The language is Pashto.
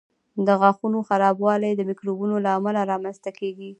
د غاښونو خرابوالی د میکروبونو له امله رامنځته کېږي.